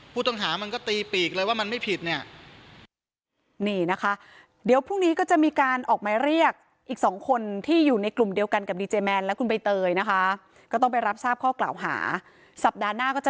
ผู้ต้องหามันก็ตีปีกเลยว่ามันไม่ผิดเนี่ย